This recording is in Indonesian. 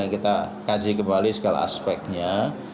kita kaji kembali segala aspeknya